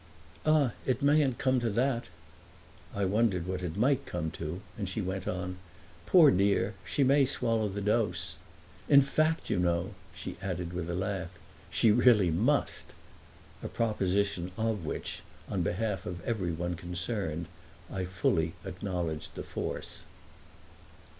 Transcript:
"Ah it mayn't come to that!" I wondered what it might come to, and she went on: "Poor dear, she may swallow the dose. In fact, you know," she added with a laugh, "she really must!"—a proposition of which, on behalf of every one concerned, I fully acknowledged the force.